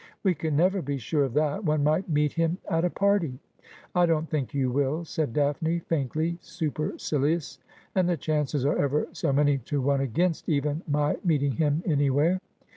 ' We can never be sure of that. One might meet him at a party.' ' I don't think you will,' said Daphne, faintly supercilious, ' and the chances are ever so many to one against even my meeting him anywhere.'